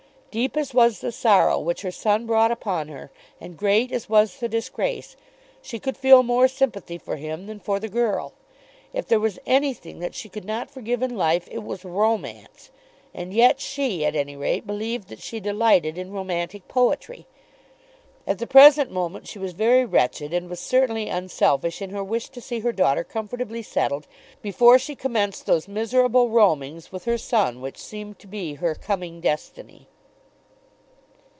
Deep as was the sorrow which her son brought upon her, and great as was the disgrace, she could feel more sympathy for him than for the girl. If there was anything that she could not forgive in life it was romance. And yet she, at any rate, believed that she delighted in romantic poetry! At the present moment she was very wretched; and was certainly unselfish in her wish to see her daughter comfortably settled before she commenced those miserable roamings with her son which seemed to be her coming destiny.